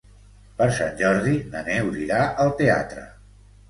Per Sant Jordi na Neus irà al teatre.